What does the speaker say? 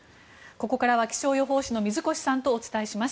ここからは気象予報士の水越さんとお伝えします。